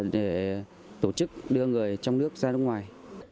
để tổ chức đưa người trong nước ra nước ngoài